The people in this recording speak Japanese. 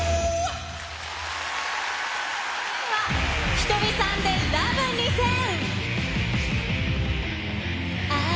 ｈｉｔｏｍｉさんでＬＯＶＥ２０００。